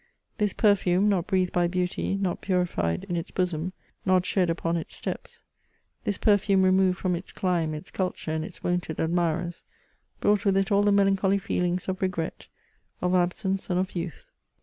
This perfume, not breathed by beauty, not purified in its bosom, not shed upon its steps — this perfume removed from its clime, its culture, and its wonted admirers; brought with it all the melancholy feelings of regret^ of absence, and of youth.